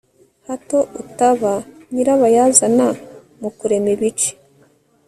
hato utaba nyirabayazana mu kurema ibice